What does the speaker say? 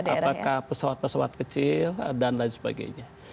apakah pesawat pesawat kecil dan lain sebagainya